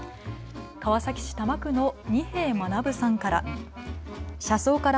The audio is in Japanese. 川崎市多摩区の仁平学さんから。